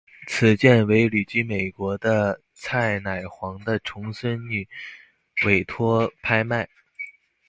此卷为旅居美国的蔡乃煌的重孙女委托拍卖。